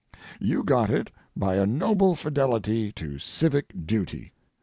You got it by a noble fidelity to civic duty.